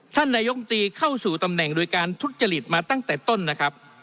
ท่านนายกตรีเข้าสู่ตำแหน่งโดยการทุจริตมาตั้งแต่ต้นนะครับ